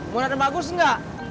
murah dan bagus enggak